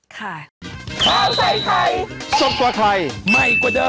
ค่ะ